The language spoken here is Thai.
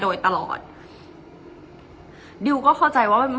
เพราะในตอนนั้นดิวต้องอธิบายให้ทุกคนเข้าใจหัวอกดิวด้วยนะว่า